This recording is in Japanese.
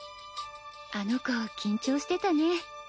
あの子緊張してたね。